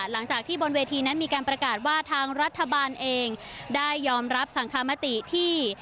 หลังจากที่บนเวทีนั้นมีการประกาศว่าทางรัฐบาลเองได้ยอมรับสังคมติที่